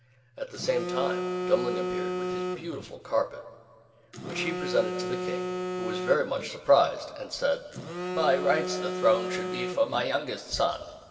At the same time Dummling appeared with his beautiful carpet, which he presented to the King, who was very much surprised, and said "By rights the throne should be for my youngest son."